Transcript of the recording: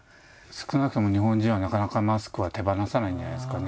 少なくとも日本人はなかなかマスクは手放さないんじゃないですかね。